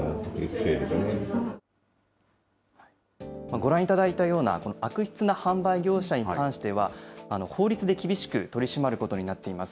ご覧いただいたようなこの悪質な販売業者に関しては、法律で厳しく取り締まることになっています。